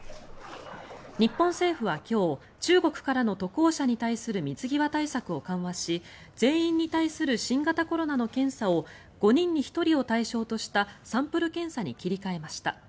日本政府は今日中国からの渡航者に対する水際対策を緩和し全員に対する新型コロナの検査を５人に１人を対象としたサンプル検査に切り替えました。